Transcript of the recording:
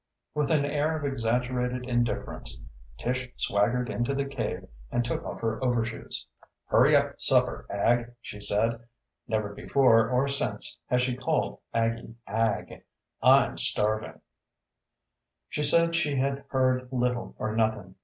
With an air of exaggerated indifference Tish swaggered into the cave and took off her overshoes. "Hurry up supper, Ag," she said never before or since has she called Aggie "Ag" "I'm starving." She said she had heard little or nothing.